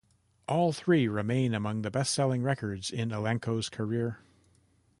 All three remain among the best-selling records in Alanko's career.